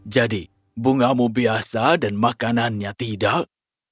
jadi bungamu biasa dan makanannya tidak